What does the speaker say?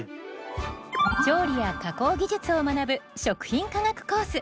調理や加工技術を学ぶ食品科学コース。